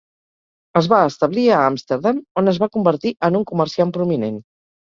Es va establir a Amsterdam, on es va convertir en un comerciant prominent.